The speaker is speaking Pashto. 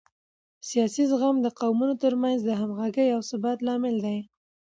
سیاسي زغم د قومونو ترمنځ د همغږۍ او ثبات لامل دی